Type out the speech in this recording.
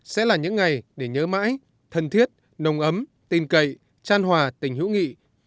sẽ là những ngày để nhớ mãi thân thiết nồng ấm tin cậy tran hòa tình hữu nghị